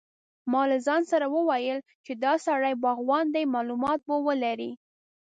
ما له ځان سره وویل چې دا سړی باغوان دی معلومات به ولري.